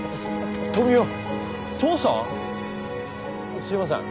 すいません。